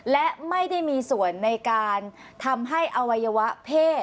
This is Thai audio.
และไม่ได้มีส่วนในการทำให้อวัยวะเพศ